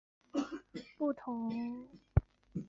不过相同发动机用在两架飞机也不尽相通。